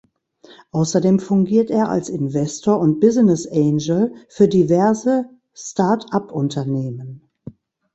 Außerdem fungiert er als Investor und Business Angel für diverse Startup-Unternehmen.